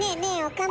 岡村。